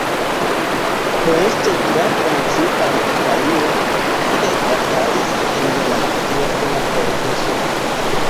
Poste tra Francio al Italio, kie batalis en la Dua Pola Korpuso.